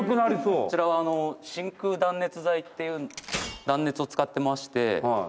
こちらは真空断熱材っていう断熱を使ってまして結構いい。